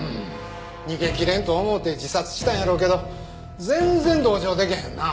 逃げきれんと思うて自殺したんやろうけど全然同情出来へんな。